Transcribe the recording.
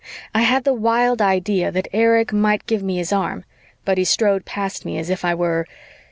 I had the wild idea that Erich might give me his arm, but he strode past me as if I were